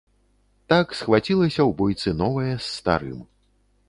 Так схвацілася ў бойцы новае з старым.